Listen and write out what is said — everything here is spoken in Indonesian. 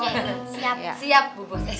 siap siap bu bos